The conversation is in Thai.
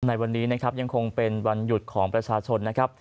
ในวันนี้นะครับยังคงเป็นวันหยุดของประชาชนนะครับ